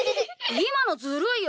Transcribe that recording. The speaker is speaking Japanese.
今のずるいよ。